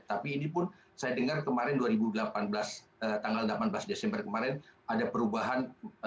tapi ini pun saya dengar kemarin dua ribu delapan belas tanggal delapan belas desember kemarin ada perubahan